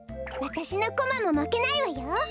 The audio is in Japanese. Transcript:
わたしのコマもまけないわよ。